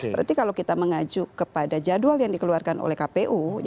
berarti kalau kita mengacu kepada jadwal yang dikeluarkan oleh kpu